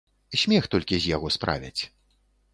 Смех толькі з яго справяць.